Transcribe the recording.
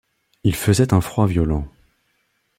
Il faisait un froid violent.